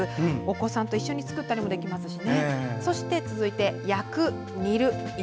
お子さんと一緒に作ったりもできますしね。